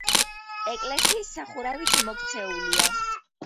ეკლესიის სახურავი ჩამოქცეულია.